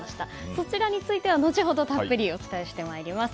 そちらについては後ほどたっぷりお伝えしてまいります。